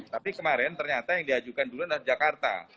tapi kemarin ternyata yang diajukan dulu adalah jakarta